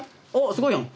すごいやん！